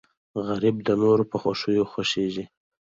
غریب د نورو په خوښیو خوښېږي